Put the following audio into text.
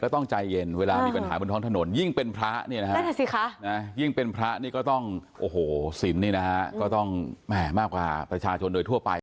ก็ต้องใจเย็นเวลามีปัญหาบนท้องถนน